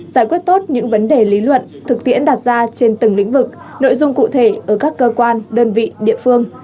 giải quyết tốt những vấn đề lý luận thực tiễn đặt ra trên từng lĩnh vực nội dung cụ thể ở các cơ quan đơn vị địa phương